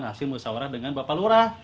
hasil musawarah dengan bapak lurah